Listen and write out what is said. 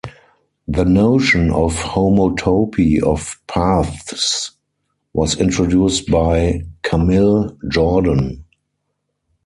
The notion of homotopy of paths was introduced by Camille Jordan.